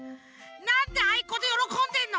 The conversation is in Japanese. なんであいこでよろこんでんの！